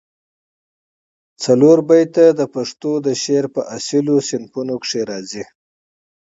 چاربیتې د پښتو د شعر په اصیلو صنفونوکښي راځي